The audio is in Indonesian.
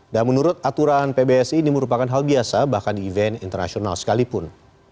dan menurut aturan pbsi ini merupakan hal biasa bahkan di event internasional sekalipun